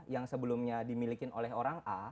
yang sebelumnya dimiliki oleh orang a